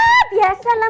gak biasa lah